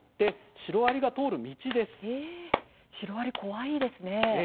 シロアリ、怖いですね。